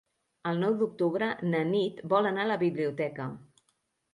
El nou d'octubre na Nit vol anar a la biblioteca.